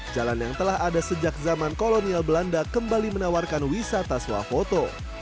jalan yang telah ada sejak zaman kolonial belanda kembali menawarkan wisata swafoto